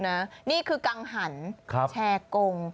นี่คือกังหันแชร์กง